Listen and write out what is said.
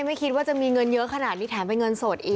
ไม่คิดว่าจะมีเงินเยอะขนาดนี้แถมเป็นเงินสดอีก